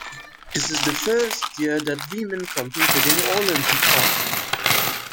This is the first year that women competed in Olympic hockey.